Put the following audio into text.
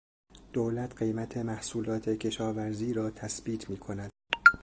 دولت قیمت محصولات کشاورزی را تثبیت میکند.